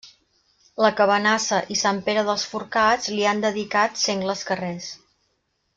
La Cabanassa i Sant Pere dels Forcats li han dedicat sengles carrers.